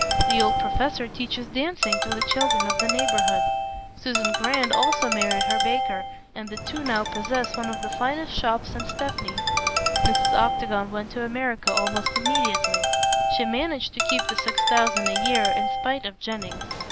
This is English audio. The old professor teaches dancing to the children of the neighborhood. Susan Grant also married her baker, and the two now possess one of the finest shops in Stepney. Mrs. Octagon went to America almost immediately. She managed to keep the six thousand a year, in spite of Jennings.